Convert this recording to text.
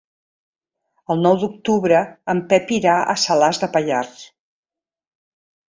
El nou d'octubre en Pep irà a Salàs de Pallars.